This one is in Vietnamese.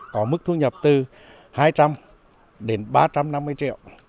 có mức thu nhập từ hai trăm linh đến ba trăm năm mươi triệu